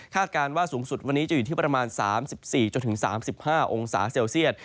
การว่าสูงสุดวันนี้จะอยู่ที่ประมาณ๓๔๓๕องศาเซลเซียต